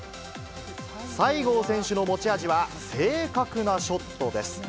西郷選手の持ち味は、正確なショットです。